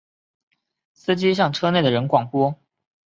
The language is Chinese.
司机向车内的人广播